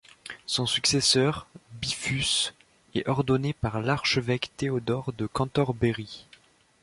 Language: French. Son successeur, Bifus, est ordonné par l'archevêque Théodore de Cantorbéry.